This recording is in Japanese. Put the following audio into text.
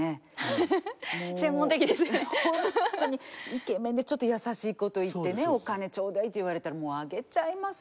イケメンでちょっと優しいこと言ってね「お金頂戴」って言われたらもう上げちゃいます